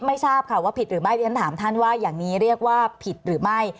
ทราบค่ะว่าผิดหรือไม่เรียนถามท่านว่าอย่างนี้เรียกว่าผิดหรือไม่